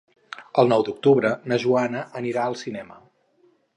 El nou d'octubre na Joana anirà al cinema.